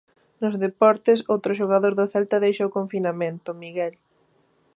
Nos deportes, outro xogador do Celta deixa o confinamento, Miguel.